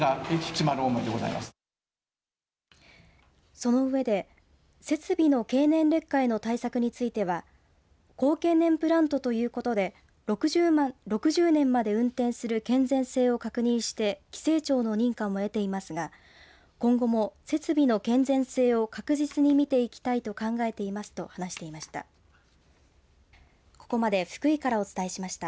その上で設備の経年劣化への対策については高経年プラントということで６０年間で運転する健全性を確認して規制庁の認可を得ていますが今後も設備の健全性を確実に見ていきたいと考えていますと話していました。